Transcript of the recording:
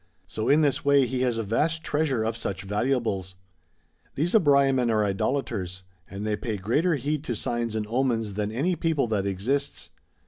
So in this way he has a vast treasure of such valuables.^ These Abraiaman are Idolaters ; and they pay greater heed to signs and omens than any people that exists.